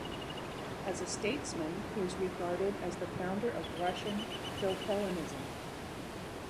As a statesman, he is regarded as the founder of Russian Philhellenism.